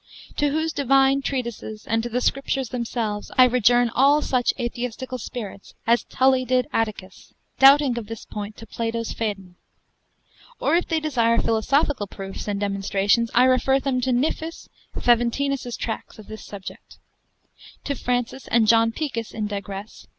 To whose divine treatises, and to the Scriptures themselves, I rejourn all such atheistical spirits, as Tully did Atticus, doubting of this point, to Plato's Phaedon. Or if they desire philosophical proofs and demonstrations, I refer them to Niphus, Nic. Faventinus' tracts of this subject. To Fran. and John Picus in digress: sup.